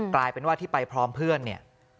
กลายเป็นว่าที่ไปพร้อมเพื่อนเนี่ย